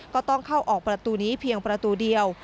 ก็ต้องเข้าออกประตูนี้เพียงประตูเดียว